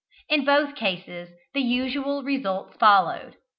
In both cases the usual results followed.